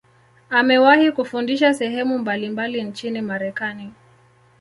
Amewahi kufundisha sehemu mbalimbali nchini Marekani.